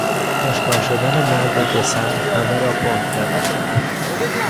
آشکار شدن مرد دوسر همه را بهت زده کرد.